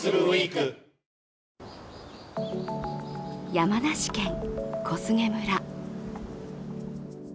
山梨県小菅村。